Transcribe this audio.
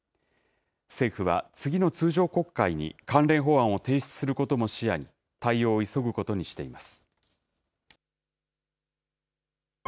政府は次の通常国会に関連法案を提出することも視野に、対応を急ぐことにしています。